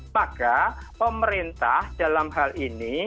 maka pemerintah dalam hal ini